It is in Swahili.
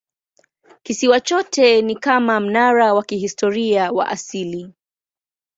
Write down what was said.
Kisiwa chote ni kama mnara wa kihistoria wa asili.